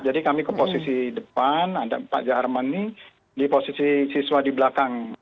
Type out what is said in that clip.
jadi kami ke posisi depan pak jaharman ini di posisi siswa di belakang